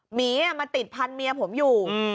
หมีมาติดพันธเมียผมอยู่